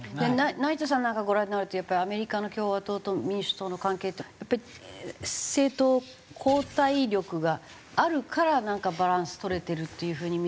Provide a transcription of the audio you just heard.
成田さんなんかご覧になられるとやっぱりアメリカの共和党と民主党の関係ってやっぱり政党交代力があるからなんかバランス取れてるっていう風に。